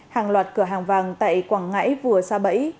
hàng loạt cửa hàng vàng tại quảng ngãi vừa xa bẫy